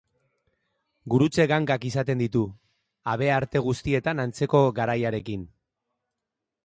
Gurutze gangak izaten ditu, habearte guztietan antzeko garaiarekin.